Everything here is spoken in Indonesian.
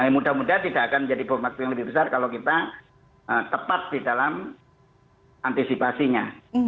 mudah mudahan tidak akan menjadi bom waktu yang lebih besar kalau kita tepat di dalam antisipasinya